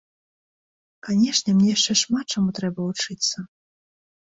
Канешне, мне яшчэ шмат чаму трэба вучыцца.